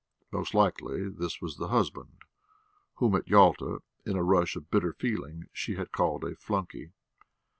Most likely this was the husband whom at Yalta, in a rush of bitter feeling, she had called a flunkey.